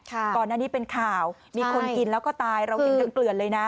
ก่อนหน้านี้เป็นข่าวมีคนกินแล้วก็ตายเรากินกันเกลือนเลยนะ